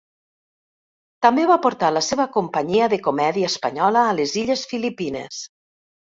També va portar la seva companyia de comèdia espanyola a les illes Filipines.